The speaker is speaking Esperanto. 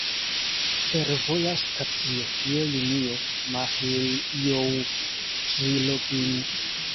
Fervoja stacio je linio Mahiljoŭ-Ĵlobin.